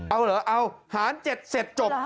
เอาเหรอเอาหาร๗เสร็จจบ